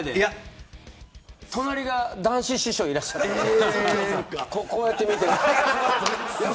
隣に談志師匠がいらっしゃってこうやって見てました。